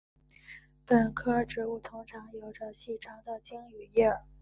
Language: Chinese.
本科植物通常有着细长的茎与叶。